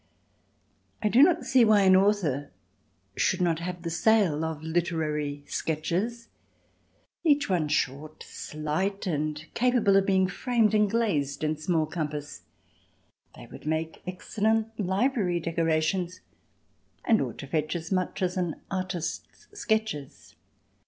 I do not see why an author should not have a sale of literary sketches, each one short, slight and capable of being framed and glazed in small compass. They would make excellent library decorations and ought to fetch as much as an artist's sketches.